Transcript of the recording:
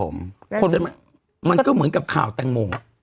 มันก็เหมือนกับข่าวแตงโม